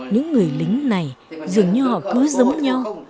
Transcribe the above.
những người lính này dường như họ cứ giống nhau